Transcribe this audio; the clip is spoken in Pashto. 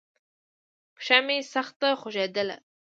پښه مې سخته خوږېدله.